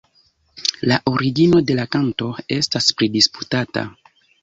La origino de la kanto estas pridisputata.